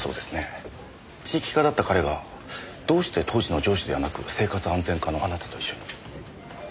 地域課だった彼がどうして当時の上司ではなく生活安全課のあなたと一緒に？